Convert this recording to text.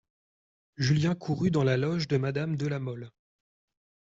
Julien courut dans la loge de Madame de La Mole.